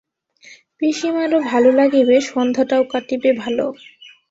পিসিমারও ভালো লাগিবে, সন্ধ্যাটাও কাটিবে ভালো।